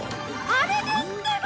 あれですってば！